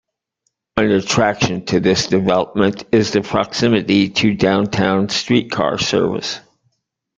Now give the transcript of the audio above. An attraction to this development is the proximity to downtown streetcar service.